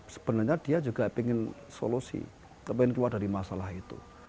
sebenarnya dia juga ingin solusi pengen keluar dari masalah itu